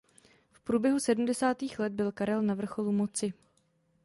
V průběhu sedmdesátých let byl Karel na vrcholu moci.